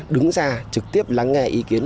đứng ra trực tiếp lắng nghe ý kiến